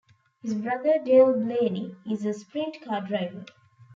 His brother Dale Blaney is a sprint car driver.